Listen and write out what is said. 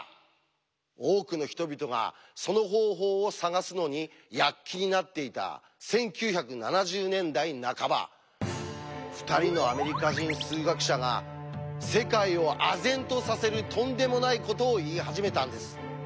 多くの人々がその方法を探すのに躍起になっていた１９７０年代半ば２人のアメリカ人数学者が世界をあぜんとさせるとんでもないことを言い始めたんです。